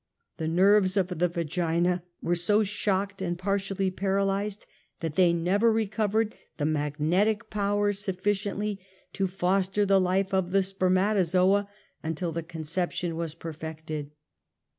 The nerves of the vagina were so shocked and partially paralyzed that they never recovered the magnetic power sufficiently to foster the life of the spermatozoa until the conception was perfected.